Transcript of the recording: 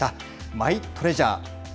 マイトレジャー。